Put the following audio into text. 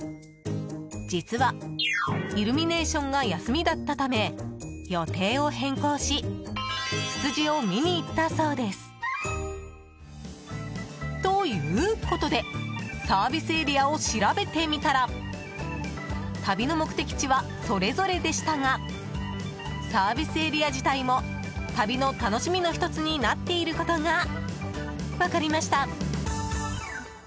実は、イルミネーションが休みだったため予定を変更しツツジを見に行ったそうです。ということでサービスエリアを調べてみたら旅の目的地はそれぞれでしたがサービスエリア自体も旅の楽しみの１つになっていることが分かりました。